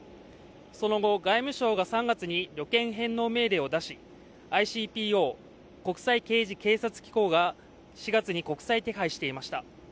その後、外務省が３月に旅券返納命令を出し、ＩＣＰＯ＝国際刑事警察機構が４月に国際手配していました。